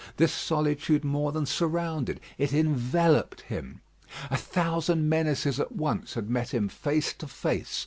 This solitude more than surrounded, it enveloped him. A thousand menaces at once had met him face to face.